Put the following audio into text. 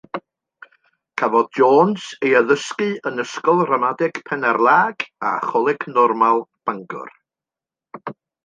Cafodd Jones yn ei addysgu yn Ysgol Ramadeg Penarlâg a Choleg Normal Bangor.